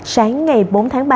sáng ngày bốn tháng ba